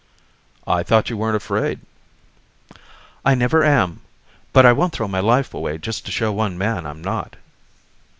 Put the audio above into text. "I thought you weren't afraid." "I never am but I won't throw my life away just to show one man I'm not."